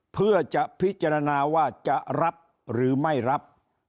เพื่อจะพิจารณาว่าจะรับหรือไม่รับ